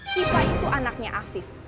siva itu anaknya afif